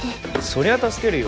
そりゃ助けるよ。